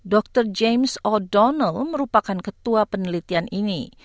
dr james o donnell merupakan ketua penelitian ini